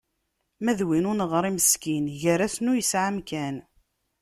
Ma d win ur neɣri meskin, gar-asen ur yesɛi amkan.